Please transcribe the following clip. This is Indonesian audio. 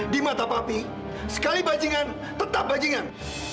di mata papi sekali bajingan tetap bajingan